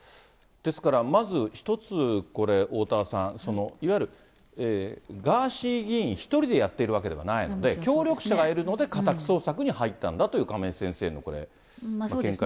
ですから、まず一つこれ、おおたわさん、いわゆるガーシー議員１人でやっているわけではないので、協力者がいるので家宅捜索に入ったんだという、亀井先生のこれ、見解ですよね。